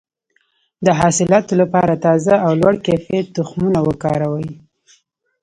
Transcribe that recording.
د حاصلاتو لپاره تازه او لوړ کیفیت تخمونه وکاروئ.